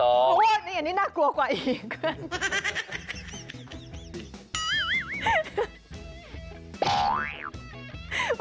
โหนี่อันนี้น่ากลัวกว่าอีก